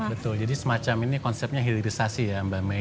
betul jadi semacam ini konsepnya hirisasi ya mbak may